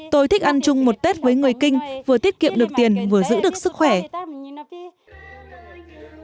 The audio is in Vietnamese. tôi thích ăn chung một tết với người kinh vừa tiết kiệm được tiền vừa giữ được sức khỏe